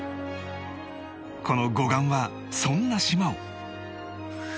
この護岸はそんな島を